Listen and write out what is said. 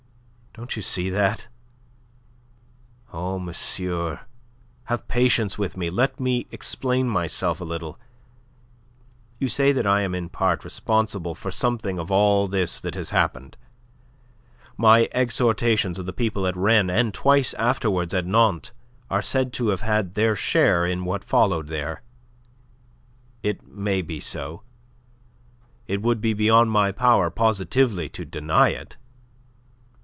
Don't you see that? Oh, monsieur, have patience with me; let me explain myself a little. You say that I am in part responsible for something of all this that has happened. My exhortations of the people at Rennes and twice afterwards at Nantes are said to have had their share in what followed there. It may be so. It would be beyond my power positively to deny it.